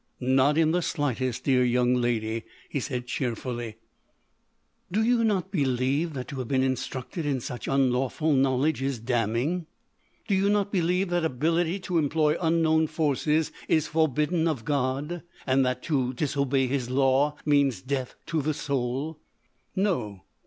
"Not in the slightest, dear young lady," he said cheerfully. "Do you not believe that to have been instructed in such unlawful knowledge is damning? Do you not believe that ability to employ unknown forces is forbidden of God, and that to disobey His law means death to the soul?" "No!"